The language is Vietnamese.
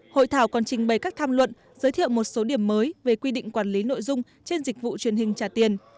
hội thảo còn trình bày các tham luận giới thiệu một số điểm mới về quy định quản lý nội dung trên dịch vụ truyền hình trả tiền